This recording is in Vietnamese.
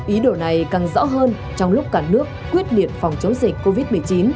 ý đồ này càng rõ hơn trong lúc cả nước quyết liệt phòng chống dịch covid một mươi chín